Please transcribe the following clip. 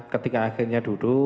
ketika akhirnya duduk